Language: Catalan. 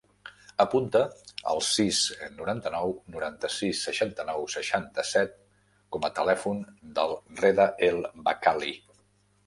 Apunta el sis, noranta-nou, noranta-sis, seixanta-nou, seixanta-set com a telèfon del Reda El Bakkali.